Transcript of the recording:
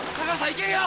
いけるよ！